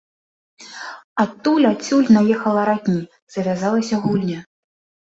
Адтуль, адсюль наехала радні, завязалася гульня.